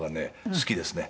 好きですね。